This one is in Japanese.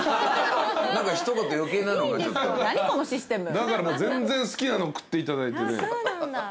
だからもう全然好きなの食っていただいてね。